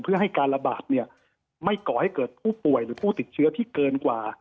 เพื่อให้การระบาดเนี่ยไม่ก่อให้เกิดผู้ป่วยหรือผู้ติดเชื้อที่เกินกว่า